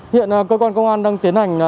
hiện cơ quan công an đang tiến hành